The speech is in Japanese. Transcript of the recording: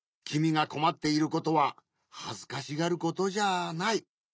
きみがこまっていることははずかしがることじゃない。